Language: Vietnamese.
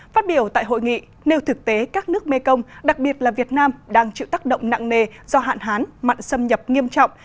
phát biểu tại hội nghị nếu thực tế các nước mekong đặc biệt là việt nam đang chịu tác động nặng nề do hạn hán mặn xâm nhập nghiêm trọng